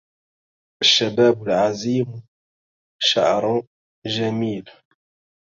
الشباب العزيم شعر جميل